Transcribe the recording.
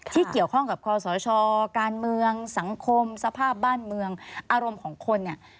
ที่เกี่ยวข้องกับคอสชการเมืองสังคมสภาพบ้านเมืองอารมณ์ของคนเนี่ย